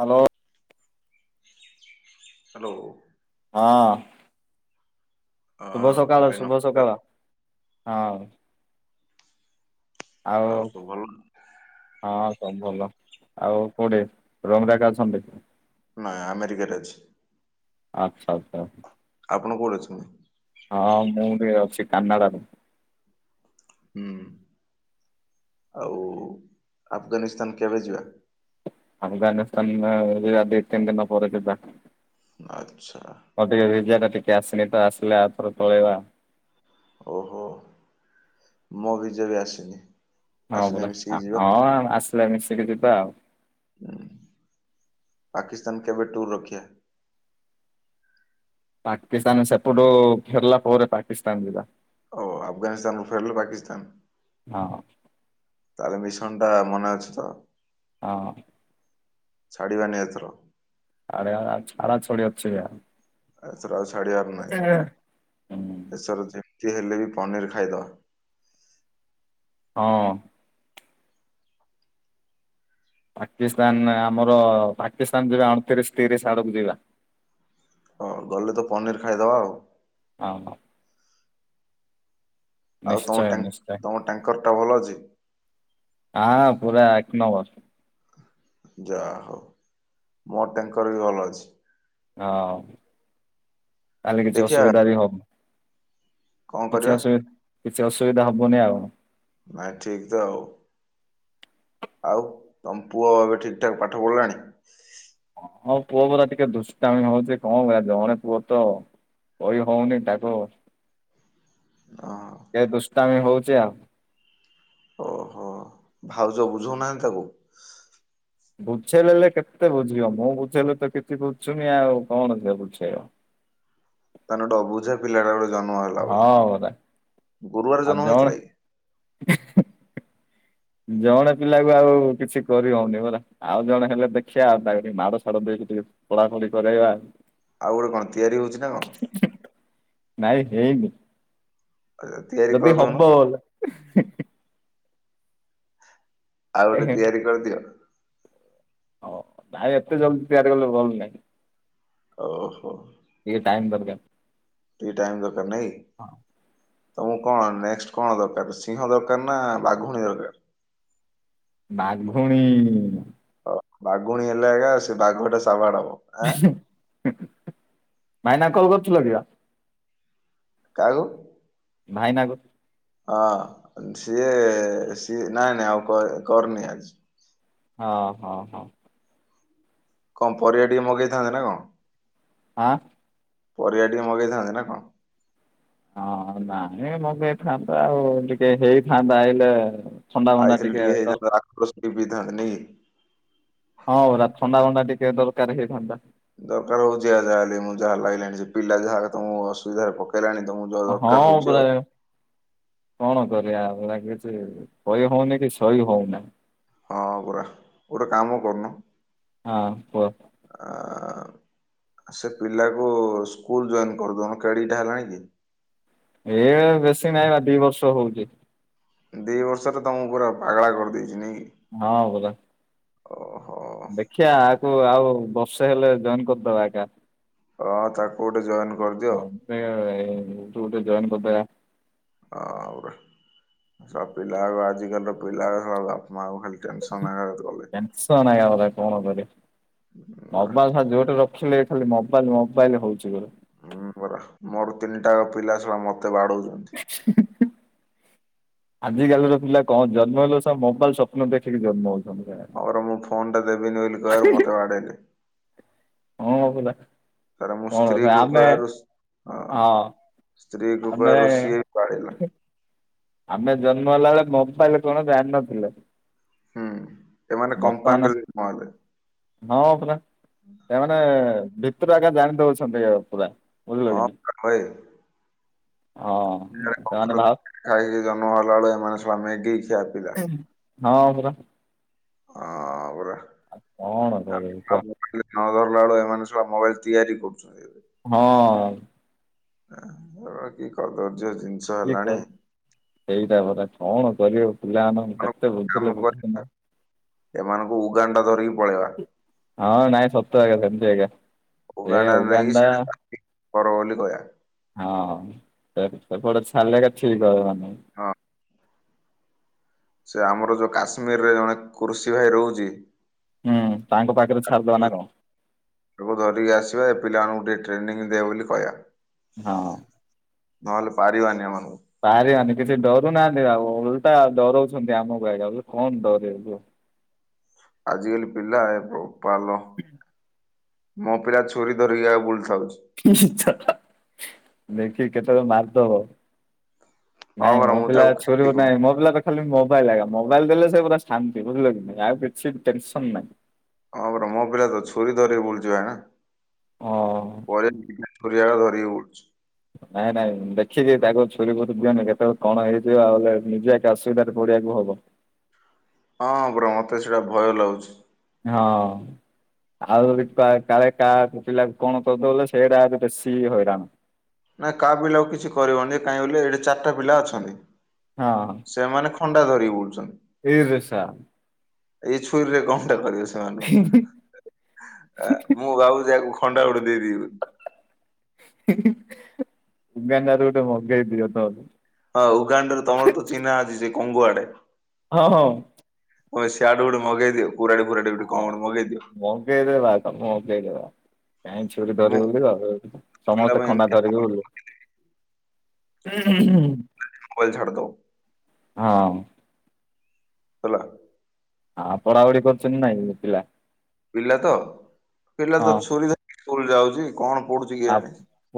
Hello. Hello. ହଁ ଶୁଭ ସକାଳ ଭାଇ ଶୁଭ ନମସ୍କାର ସକାଳ। ହଁ ଆଉ ସବୁ ଭଲ? ହଁ ସବୁ ଭଲ ଆଉ କୋଉଠି ରୁମରେ ଏକା ଅଛନ୍ତି। ନାଁ ଆମେରିକାରେ ଅଛି। ଆଚ୍ଛା ଆଚ୍ଛା। ଆପଣ କୋଉଠି ଅଛନ୍ତି? ହଁ ମୁଁ ବି ଅଛି କାନାଡ଼ାରେ। ହୁଁ ଆଉ ଆଫଗାନିସ୍ତାନ କେବେ ଯିବା? ଆଫଗାନିସ୍ତାନ ଆ ଯିବା ଦି ତିନି ଦିନ ପରେ ଯିବା। ଆଚ୍ଛା। ଅ ଟିକେ ଭିଜାଟା ଟିକେ ଆସିନି ତ ଆସିଲେ ଆପରେ ପଳେଇବା। ଓହୋ ମୋ ବି ଭିଜାବି ଆସିନି। ହଁ ଆସିଲେ ପରା ମିଶିକି ଆ ଯିବା। ହଁ ଆସିଲେ ମିଶିକି ଯିବା। ହୁଁ। ପାକିସ୍ତାନ କେବେ ଟୁର୍ ରଖିବା? ପାକିସ୍ତାନ ସେପଟୁ ଫେରିଲା ପରେ ପାକିସ୍ତାନ ଯିବା। ଓ ଆଫଗାନିସ୍ତାନରୁ ଫେରିଲେ ପାକିସ୍ତାନ। ହଁ। ତାହେଲେ ମିଶନ୍ ଟା ମନେ ଅଛି ତ? ହଁ। ଛାଡ଼ିବାନି ଏଥର। ଆରେ ଆ ଛାଡ଼ା ଛାଡ଼ି ଅଛିବା। ଏଥର ଆଉ ଛାଡ଼ିବାର ନା ହୁଁ। ଏଥର ଯେମିତି ହେଲେ ବି ପନିର୍ ଖାଇଦବା। ହଁ। ପାକିସ୍ତାନ ଆମର ପାକିସ୍ତାନ ଯିବା ଅଣତିରିଶି ତିରିଶି ଆଡ଼କୁ ଯିବା। ହଁ ଗଲେ ତ ପନିର୍ ଖାଇଦବା ଆଉ। ହଁ। ଆଉ ନିଶ୍ଚୟ ତମ ଟାଙ୍କି ନିଶ୍ଚୟ ତମ ଟ୍ୟାଙ୍କରଟା ଭଲ ଅଛି। ଆ ପୁରା ଏକ ନମ୍ବର। ଯାହାହଉ ମୋର ଟ୍ୟାଙ୍କର ବି ଭଲ ଅଛି। ହଁ ତାହେଲେ କିଛି ଦେଖିଆ ଅସୁବିଧା ବି ହ କଣ କିଛି କରିବା ଅସୁବିଧା କିଛି ଅସୁବିଧା ହବନି ତ? ନାଇଁ ଠିକ୍ ତ ଆଉ। ଆଉ ତମ ପୁଅ ଏବେ ଠିକ୍ ଠାକ୍ ପାଠ ପଢ଼ିଲାଣି? ହଁ ପୁଅ ପରା ଟିକେ ଦୁଷ୍ଟାମୀ ହୋଉଚି କଣ କଇବା ଜଣେ ପୁଅ ତ। କଇ ହୋଉନି ତାକୁ ଅ କେ ଦୁଷ୍ଟାମୀ ହୋଉଚି ଆଉ। ଓହୋ ଭାଉଜ ବୁଝଉ ନାହାନ୍ତି ତାକୁ? ବୁଝେଇ ଦେଲେ କେତେ ବୁଝିବ, ମୁଁ ବୁଝେଇଲେ ତ କିଛି ବୁଝୁନି ଆଉ କଣ ବୁଝେଇବ? ତାହେନେ ଗୋଟେ ଅବୁଝା ପିଲାଟା ଗୋଟେ ଜନ୍ମ ହେଲା, ହଁ ପରା ବୋଲି ଗୁରୁବାର ଆଉ ଜନ୍ମ ଜଣେ ହେଇଥିଲା କି? [unintelligible] ଜଣେ ପିଲା କୁ ଆଉ କିଛି କରିହଉନି ପରା। ଆଉ ଜଣ ହେଲେ ଦେଖିବା ଆଉ ତାକୁ ମାଡ଼ ସାଡ଼ ଦେଇକି ଟିକେ ଖୋଳାଖୋଳି କରେଇବା ହୁ ଆଉ ଗୋଟେ କଣ ତିଆରି ହଉଛି ନା କଣ ହୁ। ନାଇଁ ହେଇନି ଆଚ୍ଛା ତିଆରି ଯଦି କରିଦଉନ। ହବ ହୁ ହୁ ଆଉ ଗୋଟେ ତିଆରି କରିଦିଅ। ହଉ ଭାଇ ଏତେ ଜଲ୍ଦି ତିଆରି କଲେ ଭଲ ନାହିଁ। ଓହୋ। ଟିକେ ଟାଇମ୍ ଦରକାର୍। ଟିକେ ଟାଇମ୍ ଦରକାର୍ ନାଇଁ କି। [unintelligible] ତମକୁ କଣ ନେକ୍ସ କଣ ଦରକାର ସିଂହ ଦରକାର ନା ବାଘୁଣୀ ଦରକାର? ବାଘୁଣୀ। ହ ବାଘୁଣୀ ହେଲେ ଆଜ୍ଞା ସେ ବାଘଟା ସାଉଟ୍ ହବ। ଆଁ [unintelligible] କାହାକୁ? ଭାଇ ନା କୁ ହଁ ସିଏ ସିଏ ନାଇଁ ନାଇଁ ଆଉ କରି କରନି ଆଜି। ହଁ ହଁ ହଁ। କଣ ପରିବା ଟିକେ ମଗେଇଥାନ୍ତେ ନା କଣ? [unintelligible] ପରିବା ଟିକେ ମଗେଇଥାନ୍ତି ନା କଣ? ହଁ ନାଇଁ ମଗେଇଥାନ୍ତା ଆଉ ଟିକେ ହେଇଥାନ୍ତା ଆଇଲେ। ଥଣ୍ଡା ଫଣ୍ଡା ଟିକେ ଦର [unintelligible] ହଁ [unintelligible] ଥଣ୍ଡାଭଣ୍ଡା ଟିକେ ଦରକାର ହେଇଥାନ୍ତା। ଦରକାର ହଉଛି ଯାହେଲେ ବି, ମୁଁ ଯାହା ଲାଗିଲାଣି ସେ ପିଲା ଯାହା ମୁଁ ଅସୁବିଧାରେ ପକେଇ ଲାଣି ତମକୁ ଯା ହଁ ଦରକାର ହଉଚି ପରା ଆଉ। କଣ କରିଆ ଆଉ ନା କିଛି କହି ହଉନି କି ସହି ହଉନି। ହଁ ପରା ଗୋଟେ କାମ କରୁନୁ ହଁ କୁହ। ଆ ସେ ପିଲାକୁ ସ୍କୁଲ ଜଏନ୍ କରିଦେଉନୁ, କେଡ଼ିକିଟା ହେଲାଣି କି? ଏ ବେଶୀ ନାହିଁ ବା ଦି ବର୍ଷ ହଉଛି। ଦିବର୍ଷର ତମକୁ ପୁରା ପାଗଳା କରିଦେଇଚି ନାଇଁ। ହଁ ପରା। ହଉ ହଉ। ଦେଖିଆ ଆକୁ ଆଉ ବର୍ଷେ ହେଲେ ଜଏନ୍ କରିଦବା ଆକା। ହଁ ତାକୁ ଗୋଟେ ଜଏନ୍ କରିଦିଅ [unintelligible] ବୁଝୁନୁ ଟିକେ ଜଏନ୍ କରିଦବା। ହଉ ସବୁ ପିଲା ଆଉ ଆଜିି କାଲିର ପିଲା ଶଳା ବାପ ମାଙ୍କୁକୁ ଖାଲି ଟେନସନ [unintelligible] କଲେ। [unintelligible] ଶଳା ଝୁଅଟେ ପରା। [unintelligible] ଦେଖିଲେ ଖାଲି ମୋବାଇଲ ମୋବାଇଲ ହଉଚି ପୁରା। ହଁ ପରା ମୋର ତିନିଟାକ ପିଲା ଶଳା ମତେ ବାଡଉଚନ୍ତି। [inaudible] ଆଜିକାଲିର ପିଲା କଣ, ଜନ୍ମ ହେଲେ ଶଳା ମୋବାଇଲ ସ୍ୱପ୍ନ ଦେଖିକି ଜନ୍ମ ହଉଛନ୍ତି ଶଳା। ହଁ ପରା ମୁଁ ଫୋନ୍ ଟା ଦେବିନି ବୋଲିି କହିଆରୁ ମତେ ବାଡେଇଲେ। [unintelligible] ପିଲା ତାପରେ ମୋ ସ୍ତ୍ରୀକୁ କହିଆରୁ ହଁ। ହଁ ସ୍ତ୍ରୀକୁ ଆମେ କହିଆରୁ ସିଏ ବି ବାଡ଼େଇଲା। ଆମେ ଜନ୍ମ ହେଲା ବେଳେ ମୋବାଇଲ କଣ ଜାଣିିନଥିଲେ। ହୁଁ। ଏମାନେ ବର୍ତ୍ତମାନ କମ୍ପାଉଣ୍ଡର କଣ ହେବେ? ହଁ ପରା, ସେମାନେ ଭିତରୁ ଆଜ୍ଞା ଜାଣି ଦଉଛନ୍ତି ପୁରା। ବୁଝିଲ କି ନାଇଁ ହଁ। [unintelligible] ହଁ [unintelligible] ଜନ୍ମ ସେମାନେ ଭାବ ହେଲା ବେଳେ, ଏମାନେ ଶଳା ମ୍ୟାଗି ଖିଆ ପିଲା। ହଁ ପରା। ହଁ ପରା। ଆଉ କଣ ଆମେ କରିବୁ ଶଳା କହ? ନ ଧରିଲା ବେଳେ, ଏମାନେ ଶଳା ମୋବାଇଲ ତିଆରି କରୁଛନ୍ତି। ହଁ। ଏଗୁଡା କି କଦର୍ଯ୍ୟ ଜିନି [unintelligible] ସେଇଟା ପରା କଣ କରିବ ପିଲାମାନେ କାମ କରିବା ସେମାନଙ୍କୁ ଉଗାଣ୍ଡ ଧରିକି ପଳେଇବା। ହଁ ନାଇଁ ସତ ଆଜ୍ଞା ସେମିତି ଆଜ୍ଞା ଏ ନେଇକି ଉଗାଣ୍ଡା। ସେଠି କର ବୋଲି କହିଆ। ହଁ ସେପଟେ ଛାଡ଼ିଲେ ଏକ ଠିକ୍ ହବନି। ହଁ। ସେ ଆମର ଯୋଉ କାଶ୍ମୀରରେ ଜଣେ କୃଷି ଭାଇ ରହୁଛି ହୁଁ ତାଙ୍କ ପାଖରେ ଛାଡିଦବା ନା କଣ? ତାକୁ ଧରିକି ଆସିବା, ଏ ପିଲାମାନଙ୍କୁ ଟିକେ ଟ୍ରେନିଂ ଦେ ବୋଲି କହିବା। ହଁ। ନହେଲେ ପାରିବାନି ଏମାନଙ୍କୁ। ପାରିବାନି କିଛି ଡରୁନାହାନ୍ତି ଆଉ, ଓଲଟା ଡରଉଛନ୍ତି ଆମକୁ ଆଜ୍ଞା କଣ ଡରିବୁ। ଆଜିକାଲି ପିଲା ଏ ବୋପା ଲୋ। ମୋ ପିଲା ଛୁରୀ ଧରିକି ଆଉ ବୁଲିଥାଉଛି। ଦେଖି କେତେବେଳେ ମାରିଦବ। ହଁ ନାଇଁ ପରା ମୋ ମୁଁ ପିଲା ତାକୁ କିଛି ଛୁରୀକୁ କହୁନି ନାହିଁ ମୋ ପିଲା ତ ଖାଲି ମୋବାଇଲ୍ ଏଗା ମୋବାଇଲ ଦେଲେ ସେ ପୁରା ଶାନ୍ତି ବୁଝିଲ କି ନାଇ ଆଉ କିଛି ଟେନସନ ନାହିଁ। ହଁ ପରା ମୋ ପିଲା ତ ଛୁରୀ ଧରିକି ବୁଲୁଛି ଭାଇନା ହଁ ପରେ ଛୁରୀ ଏଗା ଧରିକି ବୁଲୁଛି। ନାଇଁ ନାଇଁ ଦେଖିିକି ତାକୁ ଛୁରୀ ଫୁରି ଦିଅନି କେତେବେଳେ କଣ ହେଇଯିବ ଆଉଲେ ନିଜେ ଏକେ ଅସୁବିଧାରେ ପଡେଇଆକୁ ହବ। ହଁ ପରା ମୋତେ ସେଇଟା ଭୟ ଲାଗୁଛି। ହଁ। ଆଉ କାଳେ କାହା ପିଲାକୁ କଣ କରିଦଉଲେ ସେଇଟା ବେଶୀ ହଇରାଣ। ନାଇଁ କାହା ପିଲା ଆକୁ କିଛି କରିବନି କାହିଁ ବୋଲି ଏଠି ଚାରିଟା ପିଲା ଅଛନ୍ତି। ହଁ। ସେମାନେ ଖଣ୍ଡା ଧରିକି ବୁଲଛନ୍ତି। ଇରେ ସା। ଏଇ ଛୁରୀରେ କଣଟା କରିବ ସି ସେ ମୁଁ ଭାବୁଚି ଆକୁ ଖଣ୍ଡା ଗୋଟେ ଦେଇଦେବି ବୋଲି। ଉଗଣ୍ଡାରୁ ଗୋଟେ ମଗେଇ ଦିଅ ତ। ହଁ ଉଗାଣ୍ଡ ରେ ତମର ତ ଚିହ୍ନା ଅଛି ସେ କଙ୍ଗୁଆଡେ। ହଁ ହଁ। ହ ସିଆଡୁ ଗୋଟେ ମଗେଇଦିଅ। କୁରାଡି ଫୁରାଡ଼ି ହଁ ମଗେଇଦେବା। ମଗେଇଦବା କାହିଁ ଛୁୁରୀ ମୁଁ ଧରିକି ବୁଲିବ ଆଉ ପିଲା ସମସ୍ତେ ପାଇଁ ଖଣ୍ଡା ଏମିତି ଧରିକି ବୁଲିବ। [unintelligible] ମୋବାଇଲ ଛାଡିଦବ ହଁ। ହେଲା। ଆ ପଢାପଢି କରୁଛନ୍ତି ନାଇଁ ପିଲା? ପିଲା ତ ପିଲା ହଁ ତ ଛୁରୀ ଧ ସ୍କୁଲ ଯାଉଛି କଣ ପଡୁଛି। ଆ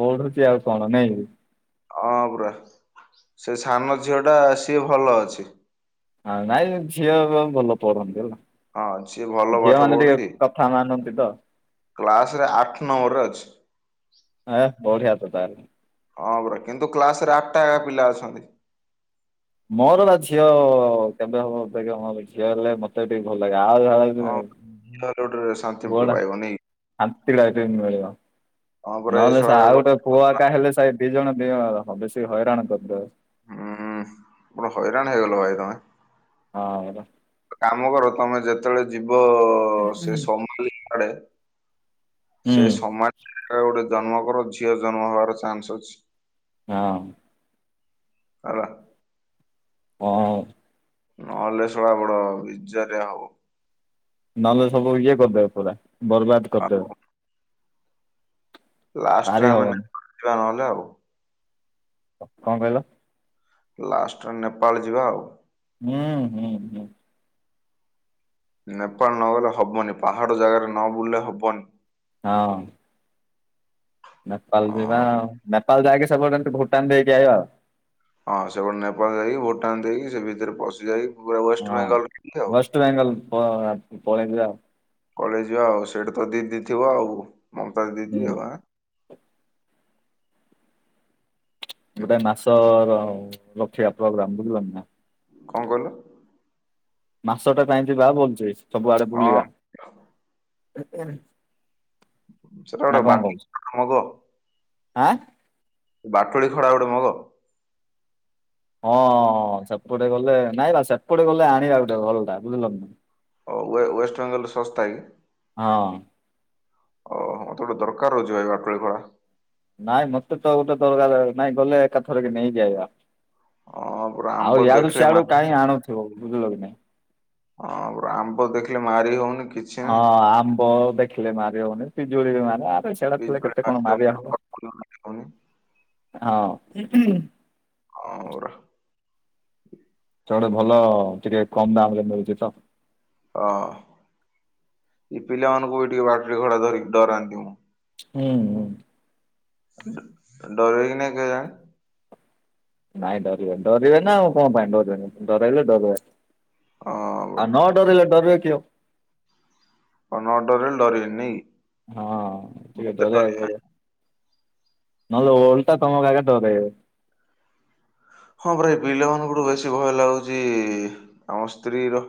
ପଢୁଛି ଆଉ କଣ ନାଇଁକି। ହଁ ପୁରା ସେ ସାନ ଝିଅ ଟା ସିଏ ଭଲ ଅଛି। ହଁ ନାଇଁ ଝିଅ ଭଲ ପଢନ୍ତି ହେଲା। ହଁ ସିଏ ଭଲ ପାଠ ଝିଅ ମାନେ ଟିକେ ପଢୁଛି। କଥା ମାନନ୍ତି ତ। କ୍ଲାସ ରେ ଆଠ ନମ୍ବରରେ ଅଛି। ଏ ବଢିଆ ତ ତାହେଲେ। ହଁ ପରା କିନ୍ତୁ କ୍ଲାସ ରେ ଆଠଟା ଏକା ପିଲା ଅଛନ୍ତି। ମୋର ପା ଝିଅ କେବେ ହବ ଅପେକ୍ଷା ମୋର ଝିଅ ହେଲେ ମତେ ଟିକେ ଭଲ ଲାଗେ ଆଉ [unintelligible] ଅ ହେଲେ ଗୋଟେ ଶାନ୍ତି ପୁଣି ପାଇବନି। ଶାନ୍ତି ଲାଇଫ ରେମିଳିବ। ହଁ ପରା ଏ ନହେଲେ ସେ ଶଳା ଆଉ ହୁଁ। ଗୋଟେ ପୁଅ ଆ କା ହେଲେ ସେ ଦି ଜଣ ଦି ଜଣ କର ବେଶୀ ହଇରାଣ କରିଦେବେ। ହୁଁ ପୁରା ହଇରାଣ ହେଇଗଲ ଭାଇ ତମେ। ହଁ ପରା। କାମ କର ତମେ ଯେତେବେଳେ ଯିବ ସେ [unintelligible] ଆଡେ। ହୁଁ ସେ ସମାଜ ଗୋଟେ ଜନ୍ମ କର ଝିଅ ଜନ୍ମ ହବାର ଚାନ୍ସ ଅଛି। ହଁ। ହେଲା। ହଁ। ନହେଲେ ଶଳା ବଡ ବିଜାରିଆ ହବ। ନହେଲେ ସବୁ ଇଏ କରିଦେବେ ପୁରା ବର୍ବାଦ ଆଉ କରିଦେବେ। ଲାଷ୍ଟରେ ପାରି ଆମେ ହବନି [unintelligible] ଯିବା ନହେଲେ ଆଉ। କଣ କହିଲ? ଲାଷ୍ଟ ରେ ନେପାଳ ଯିବା ଆଉ। [unintelligible] ନେପାଳ ନ ଗଲେ ହବନି ପାହାଡ ଜାଗାରେ ନ ବୁଲିଲେ ହବନି। ହଁ। ନେପାଳ ଯିବା ହଁ ଆଉ ନେପାଳ ଯାଇକି ସେପଟ ଭୁଟାନ ଦେଇକି ଆଇବା ଆଉ। ହଁ ସେପଟେ ନେପାଳ ଯାଇ ଭୁଟାନ ଦେଇକି ସେ ଭିତରେ ପଶିଯାଇ। ହଁ ୱେଷ୍ଟ ବେଙ୍ଗଲ ପ ପଳେଇଥିଲା। ପଳେଇଯିବା ଆଉ ସେଇଠା ତ ଦିଦିଥିବ ଆଉ ମମତା ଦିଦି ହୁଁ। ଥିବେ ବା। ହୁଁ। ଗୋଟେ ମାସ ର ଲକ୍ଷଆ ପ୍ରୋଗ୍ରାମ [unintelligible] କଣ କହିଲ? ମାସଟା ପାଇଁ ଯିବା [unintelligible] ସବୁଆଡେ ହଁ ବୁଲିବା। ସେଟା ନା ଗୋଟେ କଣ ବାଟୁଳି କହୁଛ ମଗ ଆଁ ବାଟୁଳି ଖଡା ଗୋଟେ ମଗ। ହଁ ସେପଟେ ଗଲେ ନାଇଁ ବା ସେପଟେ ଗଲେ ଆଣିବା ଗୋଟେ ଭଲଟା ବୁଝିଲ। ୱେ ୱେଷ୍ଟବେଙ୍ଗଲରେ ଶସ୍ତା କି? ହଁ। ଓହ ମୋତେ ଗୋଟେ ଦରକାର ରହୁଛିି ବାଟୁଳି ବା। ନାଇଁ ମତେ ତ ଗୋଟେ ଦରକାର ନାଇଁ ଗଲେ ଏକାଥର କି ନେଇକି ଆଇବା। ହଁ ପୁରା ଆମ୍ବ ଆଉ ୟାଡୁ ଦେଖିଲେ ମା ସିଆଡୁ କାଇଁ ଆଣୁଥିବ ବୁଝିଲ କି ନାଇଁ। ହଁ ଆମ୍ବ ଦେଖିଲେ ମାରି ହଉନି କି ହଁ ଆମ୍ବ ଦେଖିଲେ ମାରି ହଉନି ପିଜୁଳି ବି ମାର ଆରେ ସେଗୁଡା ଥିଲେ ପିଜୁଳି କେତେ ମାରି କଣ ମାରିବା ହଉନି ହବ କଦଳୀ ମାରି ହଉନି ହଁ। [unintelligible] ଜଣେ ଭଲ ଟିକେ କମ ଦାମ ରେ ମିଳୁଛି ତ। ହଁ ଏଇ ପିଲାମାନଙ୍କୁ ବି ଟିକେ ବାଟୁଳୀ ଘଡା ଧରିକି ଡରାନ୍ତି ମୁଁ। ହୁଁ ହୁଁ। ଡରିବେ କି ନାଇଁ କେଜାଣି। ନାଇଁ ଡରିବେ ଡରିବେ ନା ଆଉ କଣ ପାଇଁ ଡରିବନି ଡରାଇଲେ ଡରିବ ହଁ ଆଉ ପରା ନ ଡରେଇଲେ ଡରିବେ କି ଆଉ? ହ ନଡରେଇଲେ ଡରିବେନି ନାଇକି? ହଁ ଟିକେ ଡରେଇବାକୁ ପଡିବ। ନ ଓଲଟା ତମକ ଆଗକୁ ଦରେଇବେ। ହଁ ପରା ଏ ପିଲାମାନଙ୍କଠୁ ବେଶୀ ଭୟ ଲାଗୁଛି ଆମ ସ୍ତ୍ରୀ ର।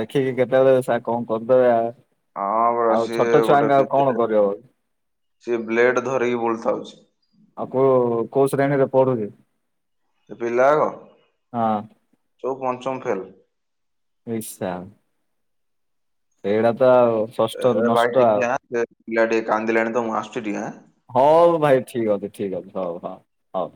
ଦେଖିକି କେତେବେଳେ ସେ କଣ କରିଦେବେ ଆ ହଁ ପରା ଆଉ ସିଏ ଛୋଟ ଗୋଟେ ଛୁଆଙ୍କ ଆଉ କଣ ବିଦ୍ୟା କରିବ? ସିଏ ବ୍ଲେଡ ଧରିକି ବୁଲ ଥାଉଛି। ଆଉ କୋଉ କୋଉ ଶ୍ରେଣୀରେ ପଢୁଛି? ପିଲାକ ହଁ ସବୁ ପଞ୍ଚମ ଫେଲ। ଏଶା। ଏଗୁଡ଼ା ତ ଆଉ। ଷଷ୍ଠରୁ ହେ ଭାଇ ନଷ୍ଟ ଆଉ। ଟିକେ ହା ସେ ପିଲା ଟିକେ କାନ୍ଦିଲେଣି ତ ମୁଁ ଆସୁଛି ଟିକେ ହା? ହଉ ଭାଇ ଠିକ୍ ଅଛି ଠିକ୍ ଅଛି ହଉ ହଉ ହଉ।